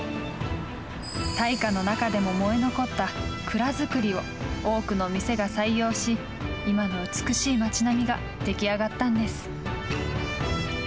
大火の中でも燃え残った蔵造りを多くの店が採用し今の美しい町並みが出来上がったんです。